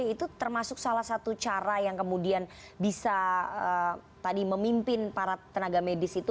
itu termasuk salah satu cara yang kemudian bisa tadi memimpin para tenaga medis itu